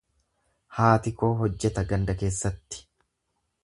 Haati koo hojjeta ganda keessatti.